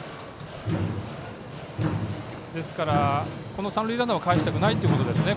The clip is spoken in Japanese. この三塁ランナーはかえしたくないということですね